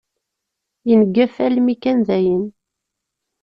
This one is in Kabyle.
Yengef almi kan dayen.